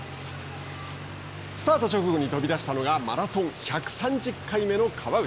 スタート直後に飛び出したのがマラソン１３０回目の川内。